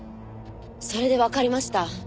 それでわかりました。